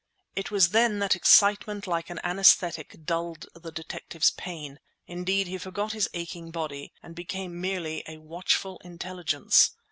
It was then that excitement like an anaesthetic dulled the detective's pain—indeed, he forgot his aching body and became merely a watchful intelligence.